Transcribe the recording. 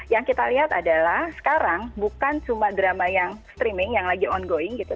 yang kita lihat adalah sekarang bukan cuma drama yang streaming yang lagi ongoing gitu